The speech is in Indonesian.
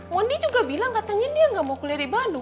mondi juga bilang katanya dia enggak mau kuliah di bandung